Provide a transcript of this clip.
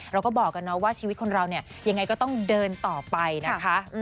เราก็บอกกันนะว่าชีวิตคนเราเนี่ยยังไงก็ต้องเดินต่อไปนะคะ